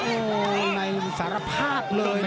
โอ้โหในสารภาพเลยนะ